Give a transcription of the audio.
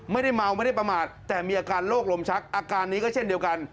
ไม่ได้เมาไม่ได้ประมาทแต่มีอาการโรคลมชักอาการนี้ก็เช่นเดียวกัน